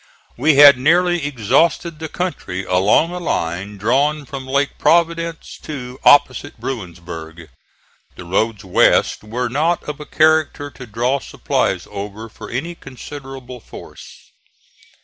We had nearly exhausted the country, along a line drawn from Lake Providence to opposite Bruinsburg. The roads west were not of a character to draw supplies over for any considerable force.